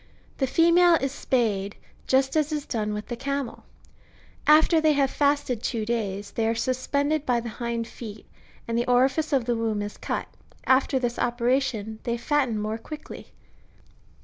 ^ The female is spayed, just as is done with the camel ; after they have fasted two days, they are suspended by the hind feet, and the orifice of the womb is cut ; after this ope ration, they fatten more quickly.